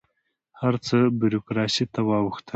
هر څه بروکراسي ته واوښتل.